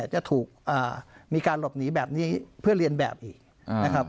จะถูกมีการหลบหนีแบบนี้เพื่อเรียนแบบอีกนะครับ